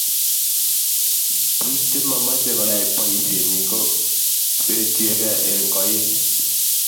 biik che momechei koyay boisie kobechiegei eng koik.